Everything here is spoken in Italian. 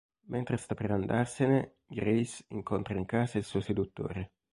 Mentre sta per andarsene, Grace incontra in casa il suo seduttore.